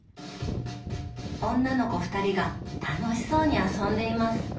女の子２人が楽しそうに遊んでいます。